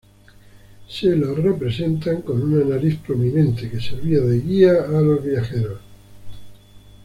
Se lo representan con una nariz prominente, que servía de guía a los viajeros.